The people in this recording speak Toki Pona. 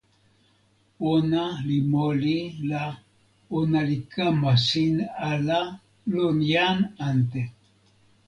ona li moli la ona li kama sin ala lon jan ante.